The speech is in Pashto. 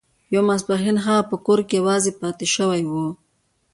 یو ماسپښین هغه په کور کې یوازې پاتې شوی و